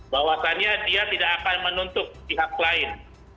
bahwasannya dia tidak akan menuntut pihak lain